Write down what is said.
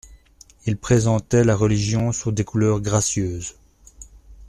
Il présentait la Religion sous des couleurs gracieuses.